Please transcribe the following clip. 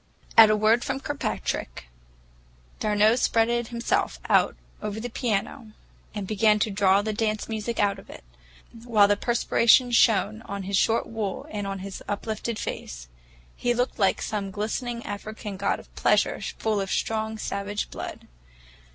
At a word from Kirkpatrick, d'Arnault spread himself out over the piano, and began to draw the dance music out of it, while the perspiration shone on his short wool and on his uplifted face. He looked like some glistening African god of pleasure, full of strong, savage blood.